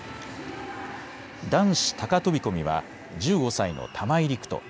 男子高飛び込みは１５歳の玉井陸斗。